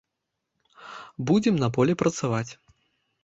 Будзем на полі працаваць.